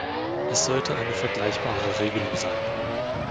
Es sollte eine vergleichbare Regelung sein.